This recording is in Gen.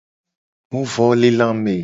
Huvolelame.